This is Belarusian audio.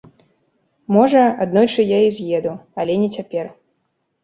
Можа, аднойчы я і з'еду, але не цяпер.